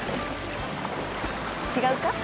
違うか？